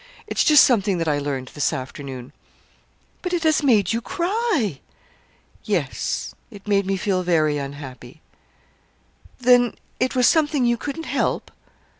It's just something that I learned this afternoon." "But it has made you cry!" "Yes. It made me feel very unhappy." "Then it was something you couldn't help?"